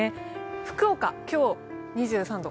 福岡、今日２３度。